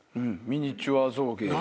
ミニチュア象牙。